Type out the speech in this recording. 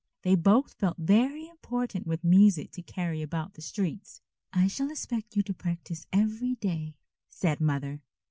They both felt very important with music to carry about the streets. "I shall expect you to practise every day," said Mother.